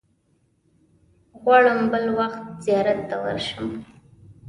غواړم بل وخت زیارت ته ورشم.